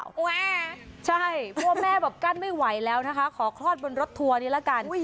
แวะใช่พวกแม่แบบกั้นไม่ไหวแล้วนะคะขอคลอดบนรถทัวร์นี้ละกัน